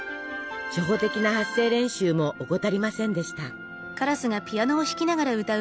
初歩的な発声練習も怠りませんでした。